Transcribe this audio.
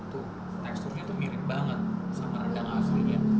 itu teksturnya tuh mirip banget sama rendang aslinya